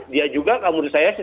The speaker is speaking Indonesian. dia juga menurut saya secara otomatis